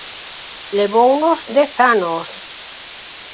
¡Levounos dez anos!